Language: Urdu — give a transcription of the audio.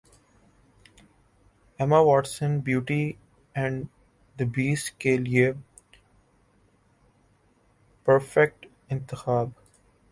Emma Watson beauty and the beast کے لیے پرفیکٹ انتخاب